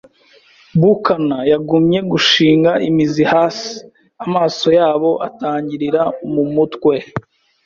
Buccaneers yagumye gushinga imizi hasi, amaso yabo atangirira mumutwe.